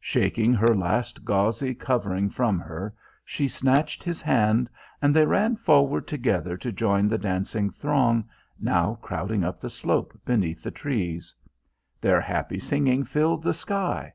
Shaking her last gauzy covering from her, she snatched his hand, and they ran forward together to join the dancing throng now crowding up the slope beneath the trees. Their happy singing filled the sky.